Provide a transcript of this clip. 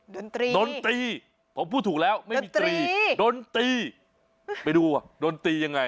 ดนตรีดนตรีผมพูดถูกแล้วไม่มีตรีดนตรีไปดูดนตรียังไง